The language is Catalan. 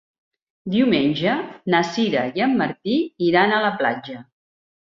Diumenge na Sira i en Martí iran a la platja.